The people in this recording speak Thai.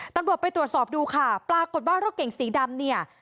ตำรวจไปตรวจสอบดูค่ะปรากฏว่ารถเก่งสีดำเนี่ย